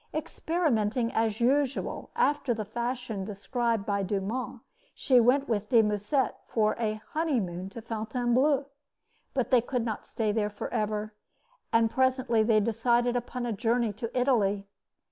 Experimenting, as usual, after the fashion described by Dumas, she went with De Musset for a "honeymoon" to Fontainebleau. But they could not stay there forever, and presently they decided upon a journey to Italy.